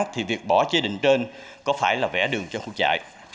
thì việc bỏ chế định trên có phải là vẽ đường cho khu chạy